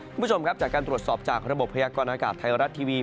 คุณผู้ชมครับจากการตรวจสอบจากระบบพยากรณากาศไทยรัฐทีวี